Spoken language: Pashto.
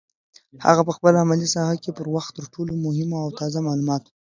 هغه په خپله علمي ساحه کې پر وخت تر ټولو مهمو او تازه معلوماتو